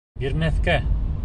Бирмәҫкә!